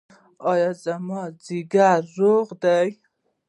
ایا زما ځیګر روغ دی؟